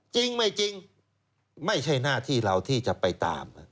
จริงไม่จริงไม่ใช่หน้าที่เราที่จะไปตาม